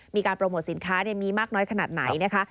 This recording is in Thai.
มีการโปรโมทสินค้ามีมากน้อยขนาดไหนนะคะ